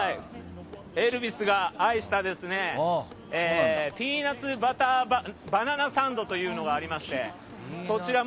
エルヴィスが愛したピーナツバターバナナサンドがありまして。